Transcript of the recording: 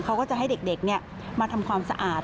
เขาก็จะให้เด็กมาทำความสะอาด